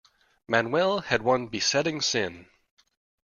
Manuel had one besetting sin.